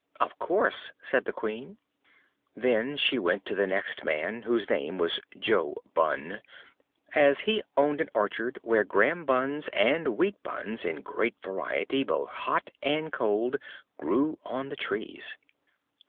"Of course," said the Queen. Then she went to the next man, whose name was Jo Bunn, as he owned an orchard where graham buns and wheat buns, in great variety, both hot and cold, grew on the trees.